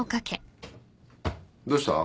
どうした？